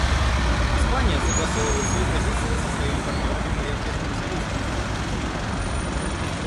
Испания согласовывает свою позицию со своими партнерами по Европейскому союзу.